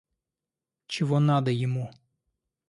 Чего надо ему?